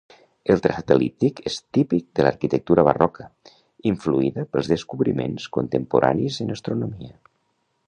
El traçat el·líptic és típic de l'arquitectura barroca, influïda pels descobriments contemporanis en astronomia.